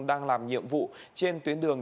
đang làm nhiệm vụ trên tuyến đường